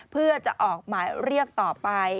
เพื่อจะออกหมายเรียกต่อไป